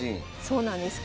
そうなんです